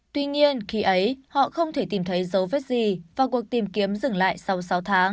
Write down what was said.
tuy nhiên khi ấy họ không thể tìm thấy dấu vết gì và cuộc tìm kiếm dừng lại sau sáu tháng